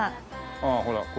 ああほら。